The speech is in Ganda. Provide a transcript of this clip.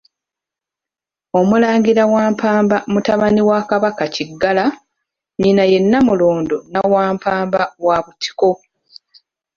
Omulangira Wampamba mutabani wa Kabaka Kiggala, nnyina ye Nnamulondo Nnawampampa wa Butiko.